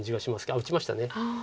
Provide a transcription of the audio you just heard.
あっ打ちました。